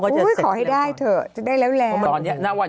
ก็จะเสร็จอุ้ยขอให้ได้เถอะจะได้แล้วแล้วตอนเนี้ยหน้าวัน